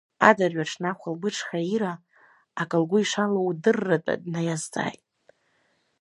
Адырҩаҽны ахәылбыҽха Ира, акы лгәы ишалоу удырратәы, днаиазҵааит.